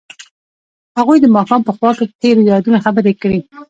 هغوی د ماښام په خوا کې تیرو یادونو خبرې کړې.